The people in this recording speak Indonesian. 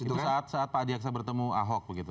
itu saat pak diaksa bertemu ahok begitu